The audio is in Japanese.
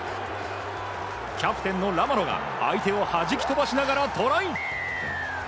キャプテンのラマロが相手を弾き飛ばしながらトライ！